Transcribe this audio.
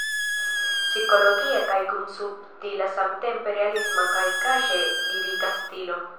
Psikologia kaj kun subtila samtempe realisma kaj kaŝe lirika stilo.